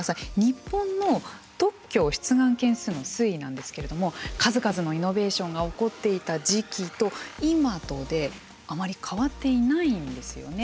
日本の特許出願件数の推移なんですけれども数々のイノベーションが起こっていた時期と今とであまり変わっていないんですよね。